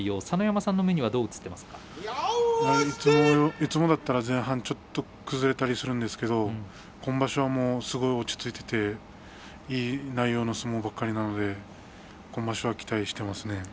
佐ノ山さんは目にはいつもだったら前半崩れたりするんですけれど今場所はすごい落ち着いていていい内容の相撲ばかりなので今場所は期待していますね。